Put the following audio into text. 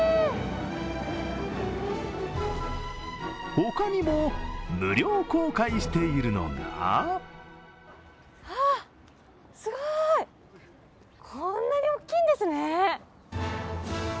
他にも無料公開しているのがこんなに大きいんですね。